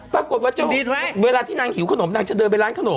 ปรากฏว่าเวลาที่นางหิวขนมนางจะเดินไปร้านขนม